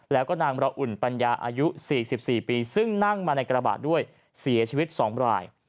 แล้วก็นางระอุ่นปัญญาอายุ๔๔ปีซึ่งนั่งมาในกระบะด้วยเสียชีวิต๒ราย